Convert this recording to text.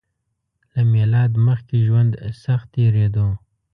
له میلاد مخکې ژوند سخت تېریدو